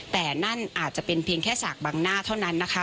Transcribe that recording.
แต่นั่นอาจจะเป็นเพียงแค่สากบังหน้าเท่านั้นนะคะ